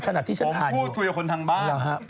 ขนาดที่ฉันห่านอยู่ผมพูดคุยกับคนทางบ้าน